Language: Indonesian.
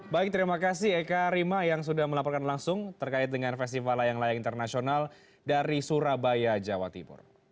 baik terima kasih eka rima yang sudah melaporkan langsung terkait dengan festival layang layang internasional dari surabaya jawa timur